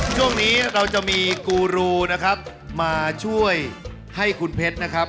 ช่วงนี้เราจะมีกูรูนะครับมาช่วยให้คุณเพชรนะครับ